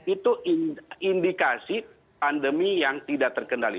itu indikasi pandemi yang tidak terkendali